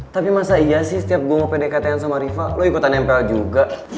tapi masa iya sih setiap gue mau pedekatan sama riva lo ikutan nempel juga